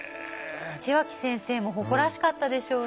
血脇先生も誇らしかったでしょうね。